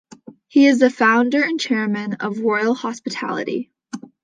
He is the founder and chairman of Royal Hospitality.